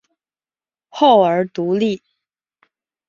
后又独立。